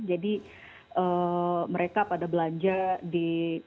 jadi mereka pada belanja di